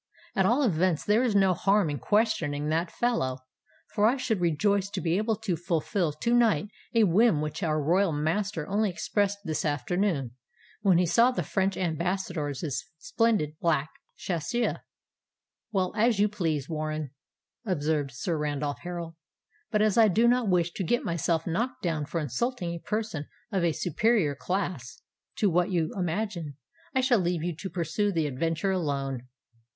At all events there is no harm in questioning that fellow—for I should rejoice to be able to fulfil to night a whim which our royal master only expressed this afternoon when he saw the French Ambassador's splendid black chasseur." "Well, as you please, Warren," observed Sir Randolph Harral: "but as I do not wish to get myself knocked down for insulting a person of a superior class to what you imagine, I shall leave you to pursue the adventure alone."